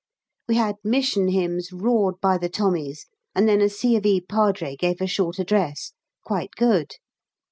We had Mission Hymns roared by the Tommies, and then a C. of E. Padre gave a short address quite good.